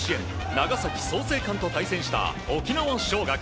長崎・創成館と対戦した沖縄尚学。